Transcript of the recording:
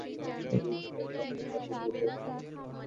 শরীরের স্নায়ুপ্রবাহগুলি মেরুদণ্ডের মধ্য দিয়া প্রবাহিত।